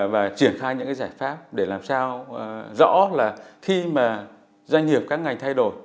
và triển khai những cái giải pháp để làm sao rõ là khi mà doanh nghiệp các ngành thay đổi